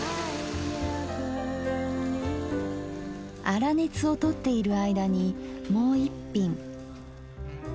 粗熱をとっている間にもう一品。